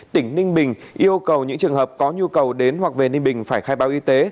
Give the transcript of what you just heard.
tỉnh ninh bình yêu cầu những trường hợp có nhu cầu đến hoặc về ninh bình phải khai báo y tế